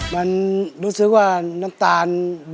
มันรู้สึกว่าน้ำตาลเบานะครับ